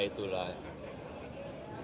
tujuh kontainer ditanggung periuk kabar bohong